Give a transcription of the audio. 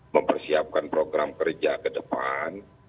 mempersiapkan program kerja ke depan